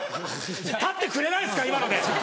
立ってくれないんですか今ので。